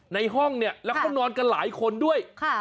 ในห้องเนี่ยแล้วเขานอนกันหลายคนด้วย